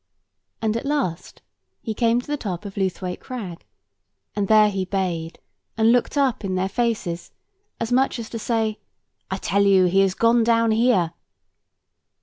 And at last he came to the top of Lewthwaite Crag, and there he bayed, and looked up in their faces, as much as to say, "I tell you he is gone down here!"